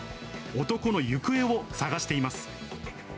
男の行方を捜しています。